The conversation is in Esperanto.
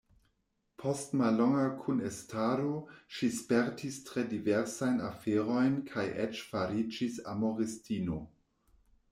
Post mallonga kunestado ŝi spertis tre diversajn aferojn kaj eĉ fariĝis amoristino.